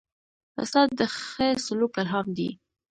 استاد د ښه سلوک الهام دی.